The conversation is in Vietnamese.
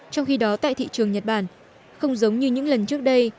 trong khi đó tại thị trường nhật bản không giống như những lần trước đây